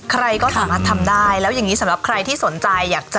ใครก็สามารถทำได้แล้วแหละสามละใครที่สนใจอาชากจะ